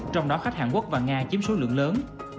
trong đó khách hàn quốc và nga chiếm số lượng lớn